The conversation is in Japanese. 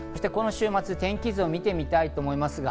天気図を見てみたいと思います。